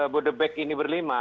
bu debek ini berlima